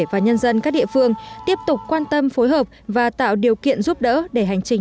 và nhân dân các địa phương tiếp tục quan tâm phối hợp và tạo điều kiện giúp đỡ để hành trình